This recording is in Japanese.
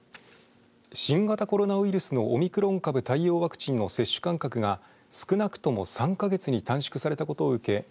新型コロナウイルスのオミクロン株対応ワクチンの接種間隔が少なくとも３か月に短縮されたことを受け